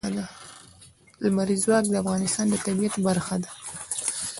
لمریز ځواک د افغانستان د طبیعت برخه ده.